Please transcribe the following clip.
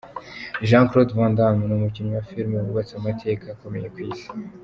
Jean Claude Van Damme ni umukinnyi wa film wubatse amateka akomeye ku Isi.